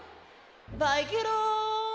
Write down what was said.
バイケロン。